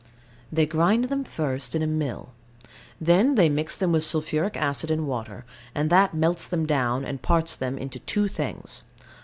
They grind them first in a mill. Then they mix them with sulphuric acid and water, and that melts them down, and parts them into two things.